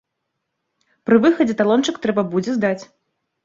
Пры выхадзе талончык трэба будзе здаць.